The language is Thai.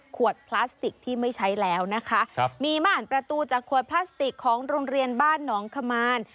ขวดพลาสติกที่ไม่ใช้แล้วนะคะครับมีม่านประตูจากขวดพลาสติกของโรงเรียนบ้านหนองขมาน